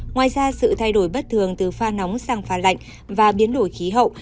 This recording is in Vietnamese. ngoài ra sự thay đổi bất thường từ pha nóng sang pha lạnh và biến đổi khí hậu